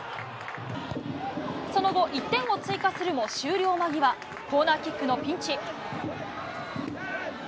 その後、１点を追加するも終了間際、コーナーキックのピンチ。